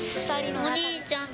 お兄ちゃんと。